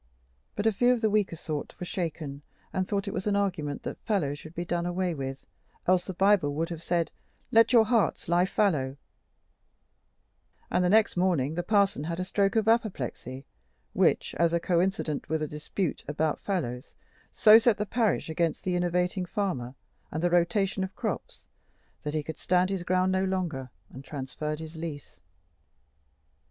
but a few of the weaker sort were shaken, and thought it was an argument that fallows should be done away with, else the Bible would have said, "Let your fallows lie"; and the next morning the parson had a stroke of apoplexy, which, as coincident with a dispute about fallows, so set the parish against the innovating farmer and the rotation of crops, that he could stand his ground no longer, and transferred his lease.